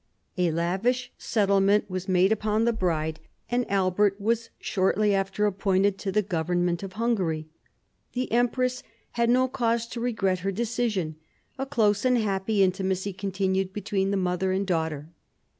A lavish settlement was made upon the bride, and Albert 1765 70 DOMESTIC AFFAIRS 215 was shortly after appointed to the government of Hungary. The empress had no cause to regret her decision. A close and happy intimacy continued between the mother and daughter.